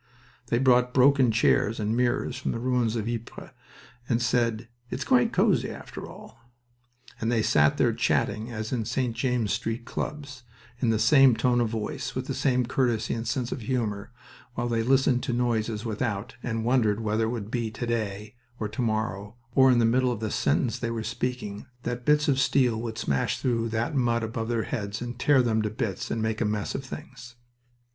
They brought broken chairs and mirrors from the ruins of Ypres, and said, "It's quite cozy, after all!" And they sat there chatting, as in St. James's Street clubs, in the same tone of voice, with the same courtesy and sense of humor while they listened to noises without, and wondered whether it would be to day or to morrow, or in the middle of the sentence they were speaking, that bits of steel would smash through that mud above their heads and tear them to bits and make a mess of things.